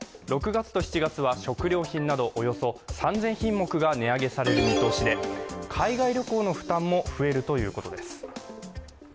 ６月と７月は食料品などおよそ３０００品目が値上げされる見通しで海外旅行の負担も増えるということです。